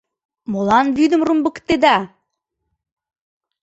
— Молан вӱдым румбыктеда?!